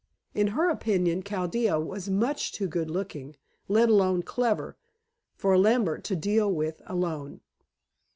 In her opinion Chaldea was much too good looking, let alone clever, for Lambert to deal with alone.